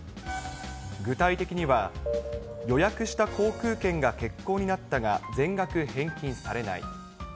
具体的には、予約した航空券が欠航になったが、全額返金されない。